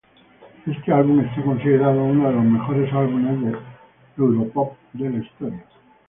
Este álbum está considerado uno de los mejores álbumes de europop de la historia.